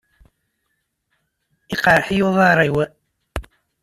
Yeqreḥ-iyi uḍar-inu.